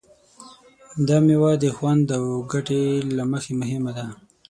دا مېوه د خوند او ګټې له مخې مهمه ده.